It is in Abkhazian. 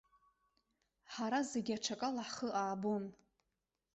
Ҳара зегьы аҽакала ҳхы аабон.